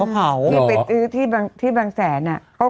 ไปซื้อที่บางแสนเมือง